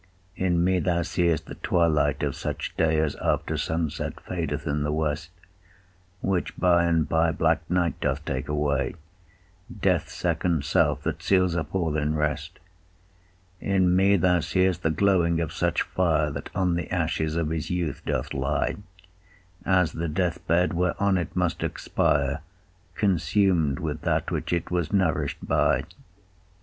In me thou see'st the twilight of such day As after sunset fadeth in the west; Which by and by black night doth take away, Death's second self, that seals up all in rest. In me thou see'st the glowing of such fire, That on the ashes of his youth doth lie, As the death bed, whereon it must expire, Consum'd with that which it was nourish'd by.